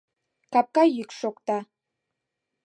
Капка йӱк шокта.